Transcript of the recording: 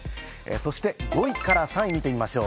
そして５位から３位を見てみましょう。